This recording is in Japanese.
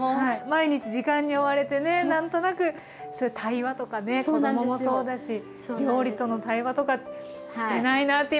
毎日時間に追われてね何となく対話とかね子どももそうだし料理との対話とかしてないなって